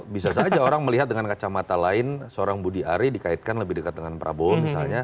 bisa saja orang melihat dengan kacamata lain seorang budi ari dikaitkan lebih dekat dengan prabowo misalnya